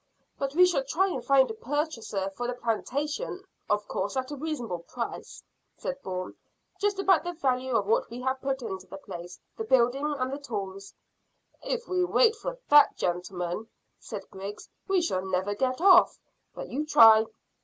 "But we shall try and find a purchaser for the plantation of course, at a reasonable price," said Bourne. "Just about the value of what we have put into the place, the building and the tools." "If we wait for that, gentlemen," said Griggs, "we shall never get off. But you try."